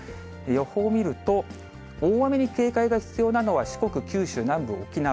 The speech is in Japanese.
予報見ると、大雨に警戒が必要なのは四国、九州南部、沖縄。